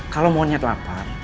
kalau monyet lapar